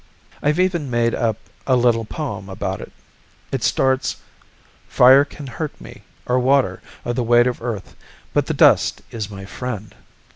"I've even made up a little poem about that. It starts, 'Fire can hurt me, or water, or the weight of Earth. But the dust is my friend.'